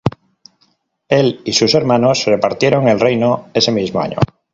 Él y sus hermanos se repartieron el reino ese mismo año.